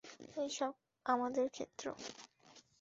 এই সব আমাদের ক্ষেত্র।